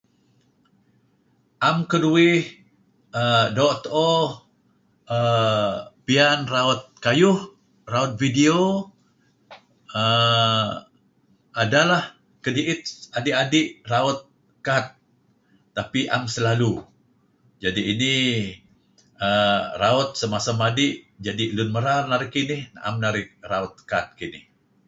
'am keduih doo' tu'uh err piyan err raut kayuh, raut video err ada lah kedi'it adi'-adi' raut kad tapi ada lah kedi'it kadi' 'am selalu jadi' inih err raut semasa madi' jadi' lun merar narih kinih na'em narih raut kad kinih.